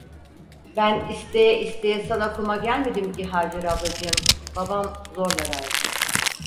Ben isteye isteye sana kuma gelmedim ki Hacer ablacığım, babam zorla verdi…